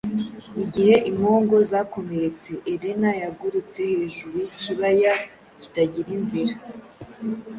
Igihe impongo zakomeretse, Elena yagurutse hejuru y'Ikibaya kitagira inzira;